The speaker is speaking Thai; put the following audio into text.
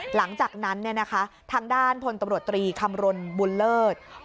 หลังจากนั้นทางด้านพลตำรวจตรีคำรณบุญเลิศ